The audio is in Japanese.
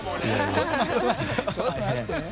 ちょっと待ってよ。